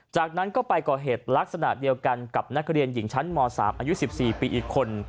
จากนั้นก็ไปก่อเหตุลักษณะเดียวกันกับนักเรียนหญิงชั้นม๓อายุ๑๔ปีอีกคน